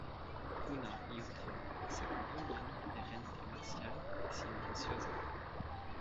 una y otra se componían de gente marcial y silenciosa: